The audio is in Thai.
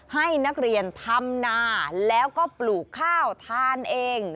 ให้นักเรียนทำนาแล้วก็ปลูกข้าวทานเอง